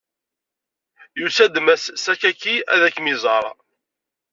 Yusa-d Mass Sakaki ad kem-iẓeṛ.